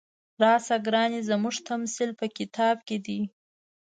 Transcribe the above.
راشه ګرانې زموږ تمثیل په کتاب کې دی.